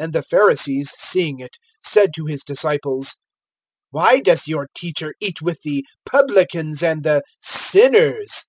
(11)And the Pharisees, seeing it, said to his disciples: Why does your teacher eat with the publicans and the sinners?